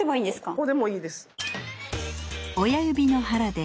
ここでもいいです。